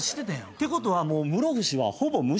ってことは室伏はほぼ虫？